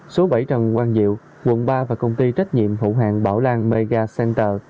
số bảy trần quang diệu quận ba và công ty trách nhiệm phụ hàng bảo lan mega center